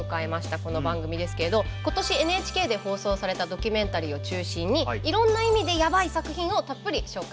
この番組ですけれど今年ＮＨＫで放送されたドキュメンタリーを中心にいろんな意味でヤバい作品をたっぷり紹介していきます。